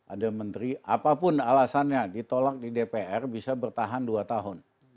ada menteri apapun alasannya ditolak di dpr bisa bertahan dua tahun